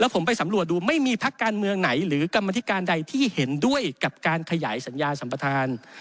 ผมไปสำรวจดูไม่มีพักการเมืองไหนหรือกรรมธิการใดที่เห็นด้วยกับการขยายสัญญาสัมปทาน